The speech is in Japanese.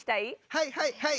はいはいはい！